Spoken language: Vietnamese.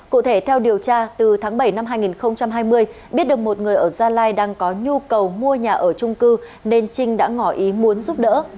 cụ thể theo điều tra từ tháng bảy năm hai nghìn hai mươi biết được một người ở gia lai đang có nhu cầu mua nhà ở trung cư nên trinh đã ngỏ ý muốn giúp đỡ